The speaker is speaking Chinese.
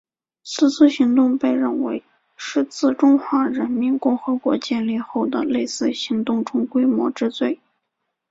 此次行动被认为是自中华人民共和国建立后的类似行动中规模之最。